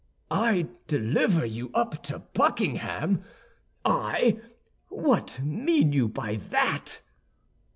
"I deliver you up to Buckingham? I? what mean you by that?"